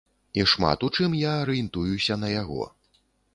І шмат у чым я арыентуюся на яго.